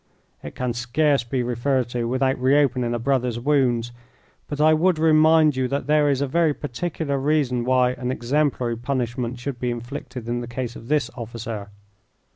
"It can scarce be referred to without reopening a brother's wounds, but I would remind you that there is a very particular reason why an exemplary punishment should be inflicted in the case of this officer."